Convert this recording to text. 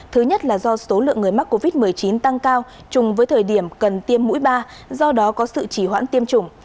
thứ nhất là do số lượng người mắc covid một mươi chín tăng cao chung với thời điểm cần tiêm mũi ba do đó có sự chỉ hoãn tiêm chủng